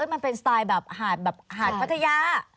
มันเป็นสไตล์แบบหาดพัทยา